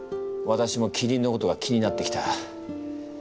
私もキリンのことが気になってきた。